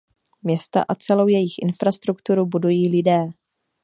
Města a celou jejich infrastrukturu budují lidé.